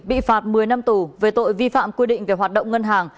bị phạt một mươi năm tù về tội vi phạm quy định về hoạt động ngân hàng